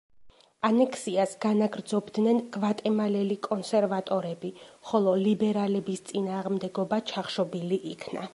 ანექსიას განაგრძობდნენ გვატემალელი კონსერვატორები, ხოლო ლიბერალების წინააღმდეგობა ჩახშობილი იქნა.